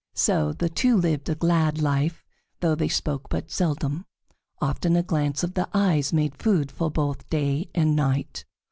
So the two lived a glad life, though they spoke but seldom; often a glance of the eyes made food for both day and night.